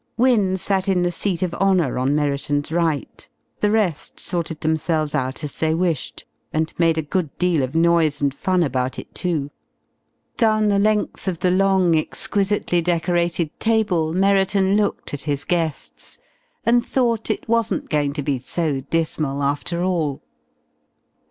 Wynne sat in the seat of honour on Merriton's right. The rest sorted themselves out as they wished, and made a good deal of noise and fun about it, too. Down the length of the long, exquisitely decorated table Merriton looked at his guests and thought it wasn't going to be so dismal after all.